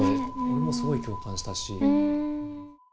俺もすごい共感したし。